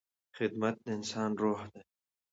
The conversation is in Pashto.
خدمت د انسانیت روح دی.